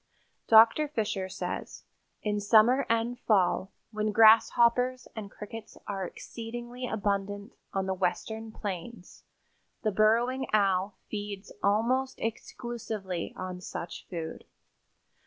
Dr. Fisher says: "In summer and fall, when grasshoppers and crickets are exceedingly abundant on the western plains, the Burrowing Owl feeds almost exclusively on such food.